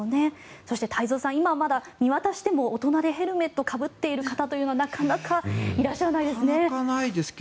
そして、太蔵さん今はまだ見渡しても大人でヘルメットをかぶっている方なかなかいらっしゃらないですね。